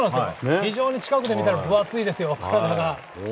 非常に近くで見たら分厚いですよ、体が。